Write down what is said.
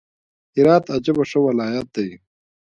هرات عجبه ښه ولايت دئ!